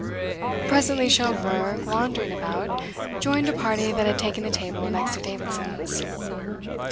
Presently Schomberg, wandering about, joined a party that had taken the table next to Davidson's.